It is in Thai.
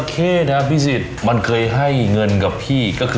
ใช่ราคาตก